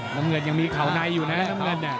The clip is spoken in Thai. น้ำเงินยังมีเข่าในอยู่นะน้ำเงิน